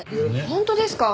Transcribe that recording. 本当ですか！？